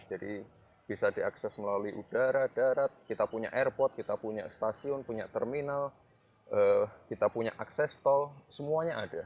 jadi bisa diakses melalui udara darat kita punya airport kita punya stasiun punya terminal kita punya akses tol semuanya ada